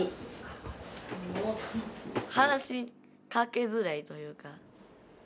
話しかけづらいというか。